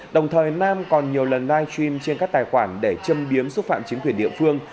đồng thời nam còn nhiều lần live stream trên các tài khoản để châm biếm xúc phạm chính quyền địa phương